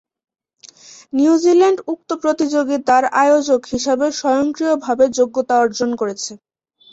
New Zealand উক্ত প্রতিযোগিতার আয়োজক হিসাবে স্বয়ংক্রিয়ভাবে যোগ্যতা অর্জন করেছে।